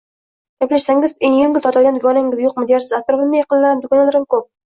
Gaplashsangiz, engil tortadigan dugonangiz yo`qmi dersiz, atrofimda yaqinlarim, dugonalarim juda ko`p